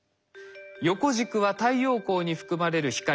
横軸は太陽光に含まれる光の波長です。